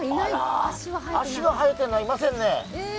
足がはえているのはいませんね。